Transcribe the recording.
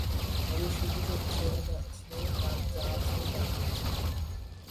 আমি শুধু তেতসুয়ার কাছে তার যা আছে তাই চেয়েছিলাম।